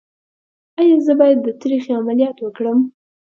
ایا زه باید د تریخي عملیات وکړم؟